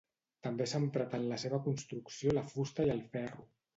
També s'ha emprat en la seva construcció la fusta i el ferro.